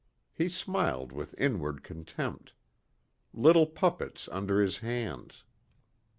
He smiled with inward contempt. Little puppets under his hands.